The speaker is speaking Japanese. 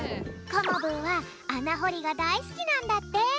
コモブーはあなほりがだいすきなんだって！